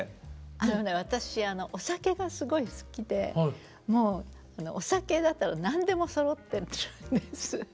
私お酒がすごい好きでもうお酒だったら何でもそろってるんです。